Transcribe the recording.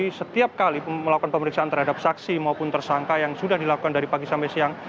jadi setiap kali melakukan pemeriksaan terhadap saksi maupun tersangka yang sudah dilakukan dari pagi sampai siang